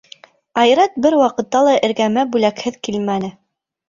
Айрат бер ваҡытта ла эргәмә бүләкһеҙ килмәне.